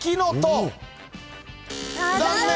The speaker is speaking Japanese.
残念。